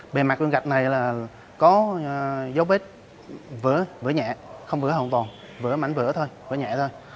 bề mặt viên gạch này là có dấu vết vỡ nhẹ không vỡ hoàn toàn vỡ mảnh vỡ thôi vỡ nhẹ thôi